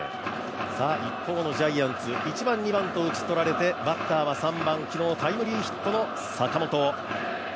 一方のジャイアンツ、１番、２番と打ち取られてバッターは３番昨日タイムリーヒットの坂本。